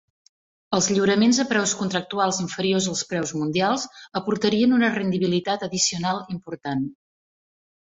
Els lliuraments a preus contractuals inferiors als preus mundials aportarien una rendibilitat addicional important.